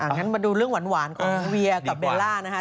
งั้นมาดูเรื่องหวานของเวียกับเบลล่านะคะ